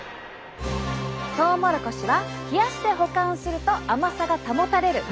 トウモロコシは冷やして保管すると甘さが保たれる。